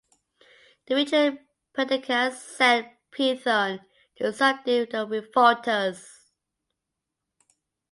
The regent Perdiccas sent Peithon to subdue the revolters.